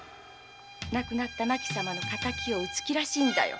亡くなった麻紀様の敵を討つ気らしいんだよ。